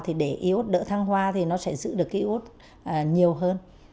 thì để y ốt đỡ thăng hoa thì nó sẽ giữ được cái y ốt nhiều hơn